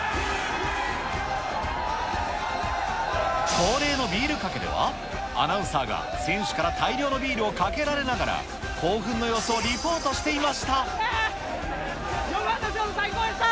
恒例のビールかけでは、アナウンサーが選手から大量のビールをかけられながら、興奮の様４番の勝負、最高でした。